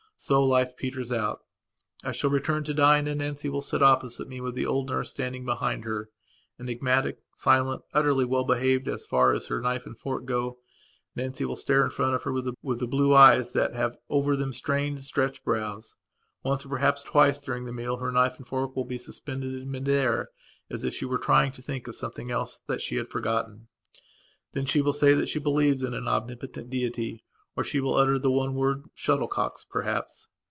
So life peters out. I shall return to dine and Nancy will sit opposite me with the old nurse standing behind her. Enigmatic, silent, utterly well behaved as far as her knife and fork go, Nancy will stare in front of her with the blue eyes that have over them strained, stretched brows. Once, or perhaps twice, during the meal her knife and fork will be suspended in mid air as if she were trying to think of something that she had forgotten. Then she will say that she believes in an Omnipotent Deity or she will utter the one word "shuttle cocks", perhaps.